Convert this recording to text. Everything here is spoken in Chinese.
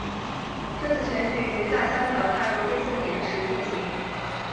这次选举于大萧条踏入第四年时进行。